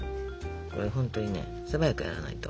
これほんとにね素早くやらないと。